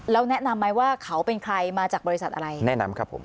แล้วแนะนำไหมว่าเขาเป็นใครมาจากบริษัทอะไรแนะนำครับผม